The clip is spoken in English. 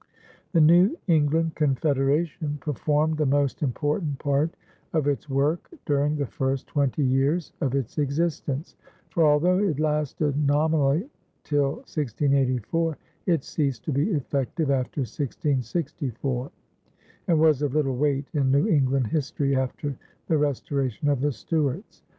The New England Confederation performed the most important part of its work during the first twenty years of its existence, for although it lasted nominally till 1684, it ceased to be effective after 1664, and was of little weight in New England history after the restoration of the Stuarts.